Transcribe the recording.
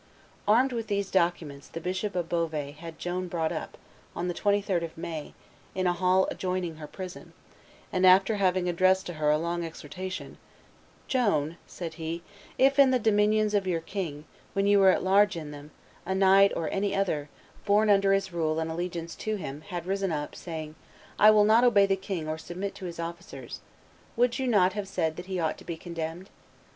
Armed with these documents the Bishop of Beauvais had Joan brought up, on the 23d of May, in a hall adjoining her prison, and, after having addressed to her a long exhortation, "Joan," said he, "if in the dominions of your king, when you were at large in them, a knight or any other, born under his rule and allegiance to him, had risen up, saying, 'I will not obey the king or submit to his officers,' would you not have said that he ought to be condemned?